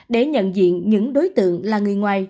để nhận diện những đối tượng là người ngoài